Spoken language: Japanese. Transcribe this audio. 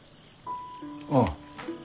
ああ。